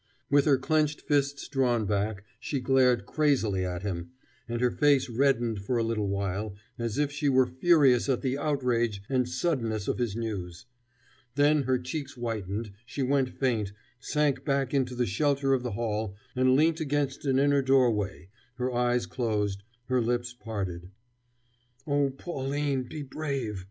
With her clenched fists drawn back, she glared crazily at him, and her face reddened for a little while, as if she were furious at the outrage and suddenness of his news. Then her cheeks whitened, she went faint, sank back into the shelter of the hall, and leant against an inner doorway, her eyes closed, her lips parted. "Oh, Pauline, be brave!"